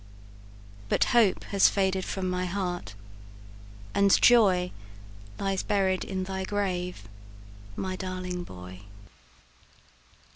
But hope has faded from my heart and joy Lies buried in thy grave, my darling boy!"